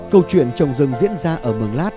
câu chuyện trồng rừng diễn ra ở mường lát